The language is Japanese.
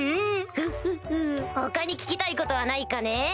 フッフッフ他に聞きたいことはないかね？